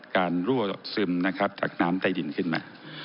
รั่วซึมนะครับจากน้ำใต้ดินขึ้นมา